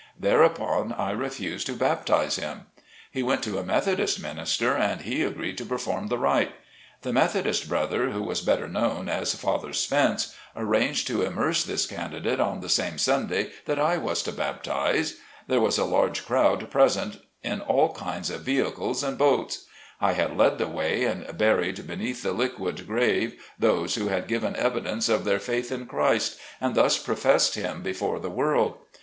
Thereupon I refused to baptize him. He went to a Methodist minister and he agreed to perform the rite. The Methodist brother, who was better known as "Father Spence," arranged to immerse this candidate on the same Sunday that I was to baptize. There was a large crowd present in all kinds of vehicles and boats. I had led the way and buried beneath the liquid 52 SLAVE CABIN TO PULPIT. grave, those who had given evidence of their faith in Christ, and thus professed him before the world.